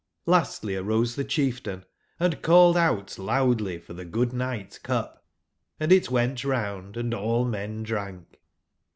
Lastly arose the chieftain and called out loudly for thegood/nightcup, anditwent round & all men drank.